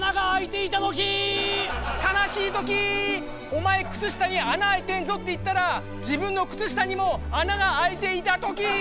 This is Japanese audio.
「お前靴下に穴開いてんぞ」って言ったら自分の靴下にも穴が開いていたときー！